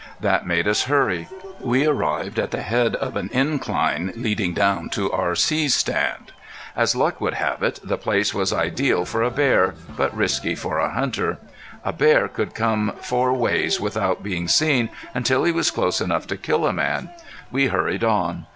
That made us hurry. We arrived at the head of an incline leading down to R.C.'s stand. As luck would have it the place was ideal for a bear, but risky for a hunter. A bear could come four ways without being seen until he was close enough to kill a man. We hurried on.